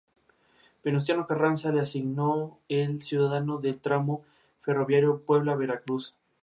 Dejó su patrimonio alemán a su hermano Juan Adolfo.